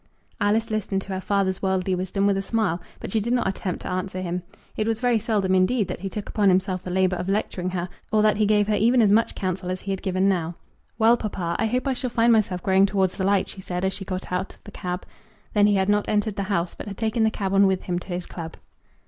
Alice listened to her father's worldly wisdom with a smile, but she did not attempt to answer him. It was very seldom, indeed, that he took upon himself the labour of lecturing her, or that he gave her even as much counsel as he had given now. "Well, papa, I hope I shall find myself growing towards the light," she said as she got out of the cab. Then he had not entered the house, but had taken the cab on with him to his club.